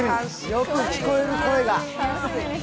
よく聞こえる、声が。